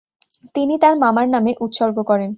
তিনি তার মামার নামে উৎসর্গ করেন।